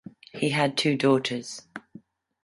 He had two daughters.